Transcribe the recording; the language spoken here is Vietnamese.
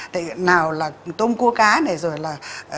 tại nào là tôm cua cá này rồi là